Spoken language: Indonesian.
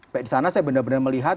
pada saat itu saya benar benar melihat